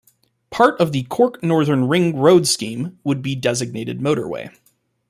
Part of the Cork Northern Ring Road scheme would be designated motorway.